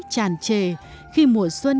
tràn trề khi mùa xuân